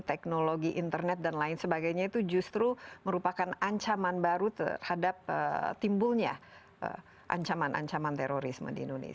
teknologi internet dan lain sebagainya itu justru merupakan ancaman baru terhadap timbulnya ancaman ancaman terorisme di indonesia